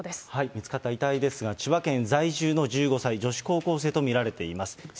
見つかった遺体ですが、千葉県在住の１５歳、女子高校生と見られるということです。